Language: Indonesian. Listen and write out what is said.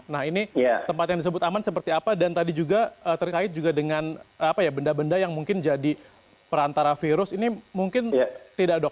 nah ini tempat yang disebut aman seperti apa dan tadi juga terkait juga dengan benda benda yang mungkin jadi perantara virus ini mungkin tidak dok